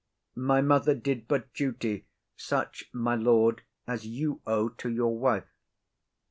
My mother did but duty; such, my lord, As you owe to your wife.